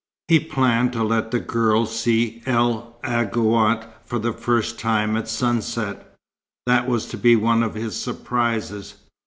He planned to let the girl see El Aghouat for the first time at sunset. That was to be one of his surprises.